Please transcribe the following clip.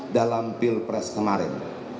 dalam pil pres kemarin